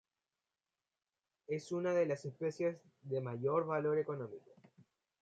Es una de las especies de mayor valor económico.